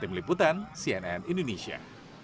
tim liputan cnn indonesia